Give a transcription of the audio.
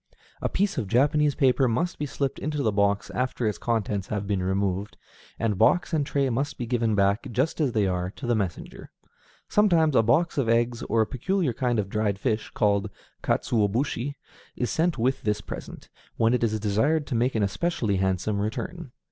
A piece of Japanese paper must be slipped into the box after its contents have been removed, and box and tray must be given back, just as they are, to the messenger. Sometimes a box of eggs, or a peculiar kind of dried fish, called katsuobushi, is sent with this present, when it is desired to make an especially handsome return.